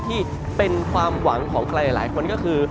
ที่เป็นความหวังของใครหลายคนก็คือ